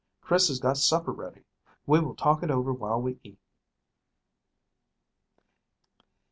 Chris has got supper ready. We will talk it over while we eat." CHAPTER II.